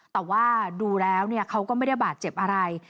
แต่ว่าดูแล้วเขาก็ไม่ได้บาดเจ็บอะไร